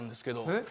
えっ？